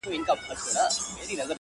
موږ په هر يو گاونډي وهلی گول دی!!